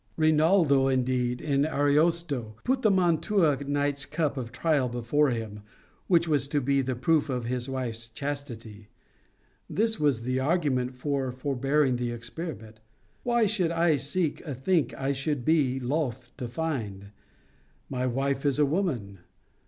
Rinaldo, indeed, in Ariosto, put the Mantua Knight's cup of trial from him, which was to be the proof of his wife's chastity* This was his argument for forbearing the experiment: 'Why should I seek a think I should be loth to find? My wife is a woman.